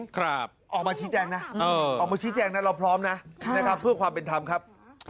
ออกมาชี้แจงนะเราพร้อมนะนะครับเพื่อความเป็นธรรมครับ